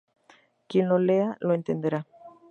Quien lo lea, lo entenderá.